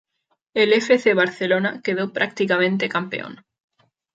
El F. C. Barcelona quedó prácticamente campeón.